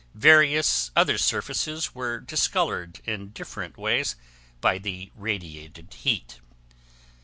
Various other surfaces were discolored in different ways by the radiated heat.